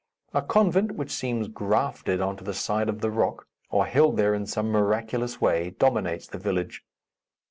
A convent, which seems grafted on the side of the rock, or held there in some miraculous way, dominates the village.